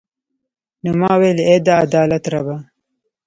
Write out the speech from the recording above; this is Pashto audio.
نو ما ویل ای د عدالت ربه.